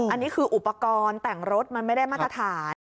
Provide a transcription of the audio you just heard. อันนี้คืออุปกรณ์แต่งรถมันไม่ได้มาตรฐาน